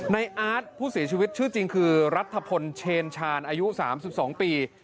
อาร์ตผู้เสียชีวิตชื่อจริงคือรัฐพลเชนชาญอายุ๓๒ปี